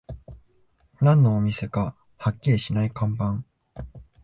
何のお店かはっきりしない看板